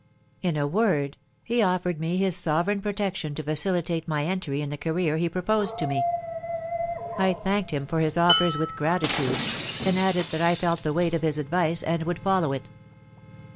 In a word, he offered me his sovereign protection to facilitate my entry in the career he proposed to me. I thanked him for his offers with gratitude, and added that I felt the weight of his advice and would follow it.